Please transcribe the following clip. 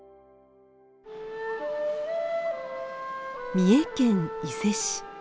三重県伊勢市。